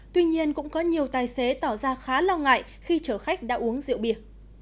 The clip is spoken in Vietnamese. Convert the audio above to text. tuy nhiên cũng có nhiều tài xế tỏ ra khá lo ngại khi chở khách đã uống rượu bia